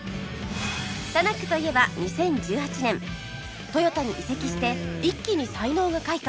タナックといえば２０１８年トヨタに移籍して一気に才能が開花